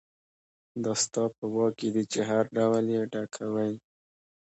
دا ستا په واک کې دي چې هر ډول یې ډکوئ.